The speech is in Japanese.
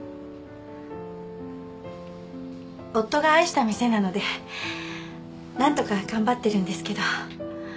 夫が愛した店なので何とか頑張ってるんですけど。